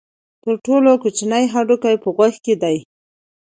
تر ټولو کوچنی هډوکی په غوږ کې دی.